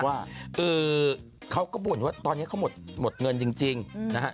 ว่าเออเขาก็บ่นว่าตอนนี้เขาหมดหมดเงินจริงจริงนะฮะ